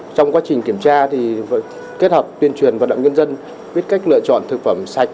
trong quá trình kiểm tra thì kết hợp tuyên truyền vận động nhân dân biết cách lựa chọn thực phẩm sạch